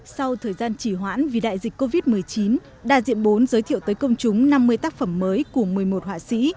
sau thời gian chỉ hoãn vì đại dịch covid một mươi chín đa diện bốn giới thiệu tới công chúng năm mươi tác phẩm mới của một mươi một họa sĩ